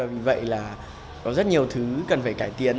vì vậy là có rất nhiều thứ cần phải cải tiến